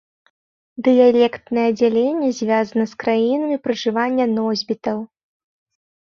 Дыялектнае дзяленне звязана з краінамі пражывання носьбітаў.